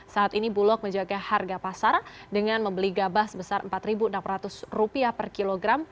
saat ini bulog menjaga harga pasar dengan membeli gabah sebesar rp empat enam ratus per kilogram